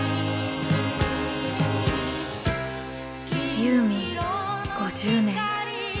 ユーミン５０年。